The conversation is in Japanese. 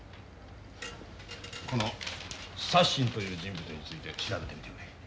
このサッシンという人物について調べてみてくれ。